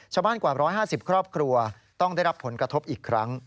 กว่า๑๕๐ครอบครัวต้องได้รับผลกระทบอีกครั้ง